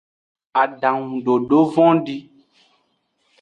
Adangudodo vondi.